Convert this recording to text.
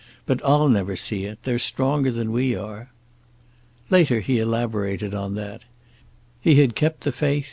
But I'll never see it. They're stronger than we are." Later he elaborated on that. He had kept the faith.